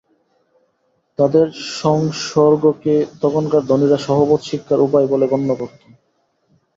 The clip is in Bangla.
তাদের সংসর্গকে তখনকার ধনীরা সহবত শিক্ষার উপায় বলে গণ্য করত।